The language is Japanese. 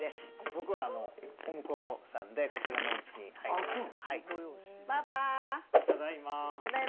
僕はお婿さんで、こちらのおうちに入りました。